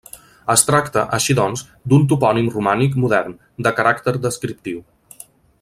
Es tracta, així, doncs, d'un topònim romànic modern, de caràcter descriptiu.